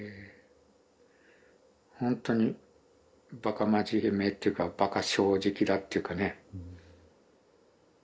ほんとにバカ真面目っていうかバカ正直だっていうかね。